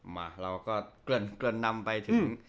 มาเราก็เกลือนนำไปถึง